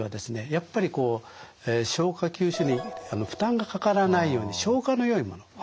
やっぱりこう消化吸収にいい負担がかからないように消化のよいものですね。